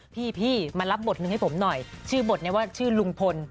พี่มารับบทหนึ่งให้ผมหน่อยชื่อบทนี้ว่าชื่อลุงพล